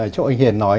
chỗ anh hiền nói